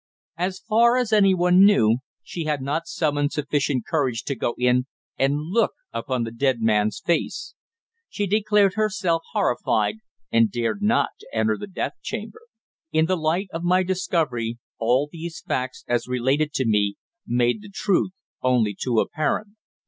As far as anyone knew, she had not summoned sufficient courage to go in and look upon the dead man's face. She declared herself horrified, and dared not to enter the death chamber. In the light of my discovery all these facts as related to me made the truth only too apparent.